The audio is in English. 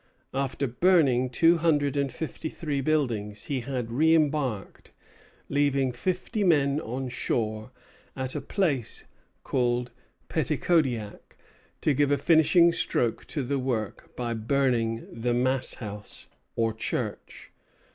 After burning two hundred and fifty three buildings he had reimbarked, leaving fifty men on shore at a place called Peticodiac to give a finishing stroke to the work by burning the "Mass House," or church.